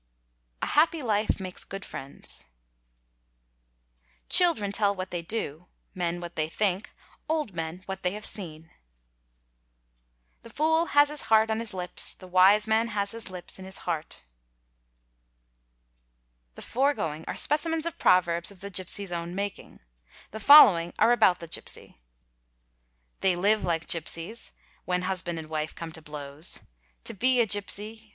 — A happy life makes good friends.—Children tell what they do, men what they think, old men what they have seen.—The fool has his heart on his. lips, the wise man has his lips in his heart.'' The foregoing are specimens of proverbs of the gipsy's own making. The following are about the gipsy :—"' They live like gipsies" (when husband and wife come to _ blows).—'To be a gipsy."